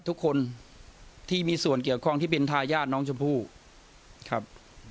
ทุกคนที่มีส่วนเกี่ยวข้องที่เป็นทายาทน้องชมพู่ครับ